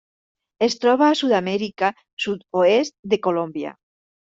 Es troba a Sud-amèrica: sud-oest de Colòmbia.